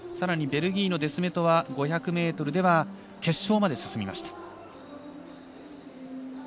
ベルギーのデスメトは５００ｍでは決勝まで進みました。